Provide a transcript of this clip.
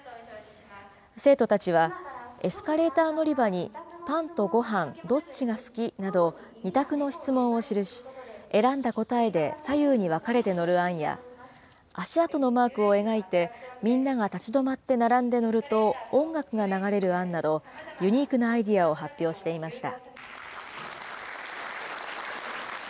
生徒たちは、エスカレーター乗り場にパンとごはんどっちが好き？など２択の質問を記し、選んだ答えで左右に分かれて乗る案や、足跡のマークを描いて、みんなが立ち止まって並んで乗ると音楽が流れる案など、ユニークなアイデアを発表していました。